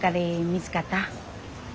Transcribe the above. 見つかった？